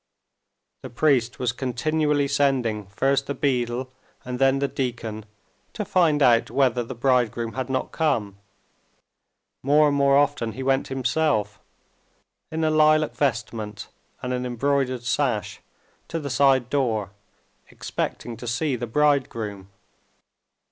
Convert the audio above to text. The priest was continually sending first the beadle and then the deacon to find out whether the bridegroom had not come, more and more often he went himself, in a lilac vestment and an embroidered sash, to the side door, expecting to see the bridegroom.